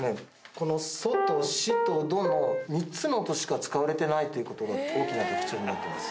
このソとシとドの３つの音しか使われてないということが大きな特徴になってます。